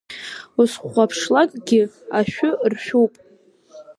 Узхәаԥшлакгьы ашәы ршәуп.